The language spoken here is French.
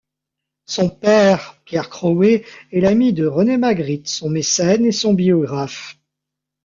Son père, Pierre Crowet est l'ami de René Magritte, son mécène et son biographe.